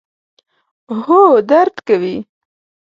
هو، درد کوي